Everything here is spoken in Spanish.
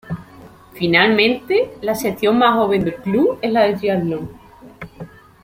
Finalmente, la sección más joven del club es la de triatlón.